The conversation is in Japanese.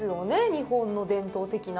日本の伝統的な。